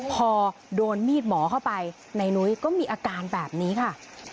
พอโดนมีดหมอเข้าไปในนุ้ยก็มีอาการแบบนี้ค่ะ